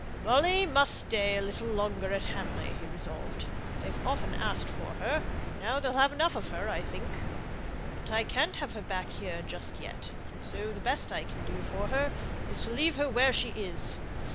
"Molly must stay a little longer at Hamley," he resolved. "They've often asked for her, and now they'll have enough of her, I think. But I can't have her back here just yet; and so the best I can do for her is to leave her where she is.